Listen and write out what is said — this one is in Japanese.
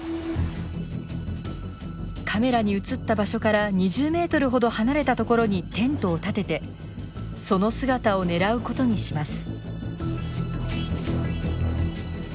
カメラに写った場所から２０メートルほど離れたところにテントを立ててその姿を狙うことにします。